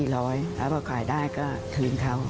แล้วพอขายได้ก็คืนเขา